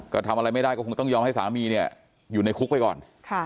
ก็ทำอะไรไม่ได้ก็คงต้องยอมให้สามีเนี่ยอยู่ในคุกไปก่อน